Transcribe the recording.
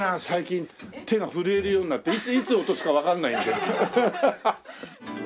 最近手が震えるようになっていつ落とすかわかんないんだけど。